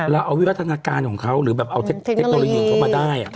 เราเอาวิวัฒนาการของเขาหรือแบบเอาเทคโนโลยีของเขามาได้